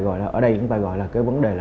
ở đây cũng phải gọi là vấn đề